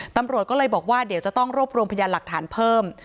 ตำรวจก็เลยบอกว่าเดี๋ยวจะต้องรวบรวมพยานหลักฐานเพิ่ม